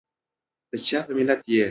دچا په ملت یي؟